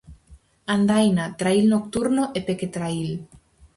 Andaina, trail nocturno e pequetrail.